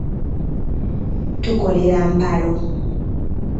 Tukolera mu mpalo.